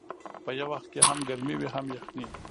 په یو وخت کې هم ګرمي وي هم یخني.